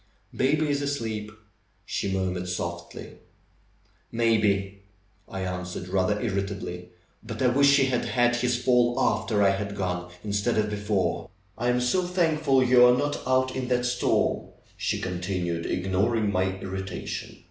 "Baby is asleep," she murmured softly. 164 . THE BEND OF THE HILL ^^May be/^ answered I, rather irritably; ^^biit I wish he had had his fall after I had gone instead of before am so thankful you are not out in that storm," she continued, ignoring my irritation.